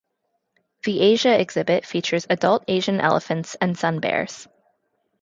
The Asia exhibit features adult Asian elephants and sun bears.